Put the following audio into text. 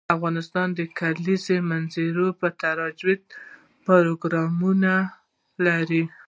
افغانستان د د کلیزو منظره د ترویج لپاره پروګرامونه لري.